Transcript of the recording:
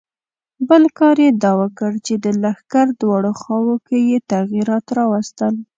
بل کار یې دا وکړ چې د لښکر دواړو خواوو کې یې تغیرات راوستل.